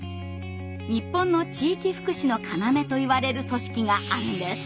日本の地域福祉の要といわれる組織があるんです。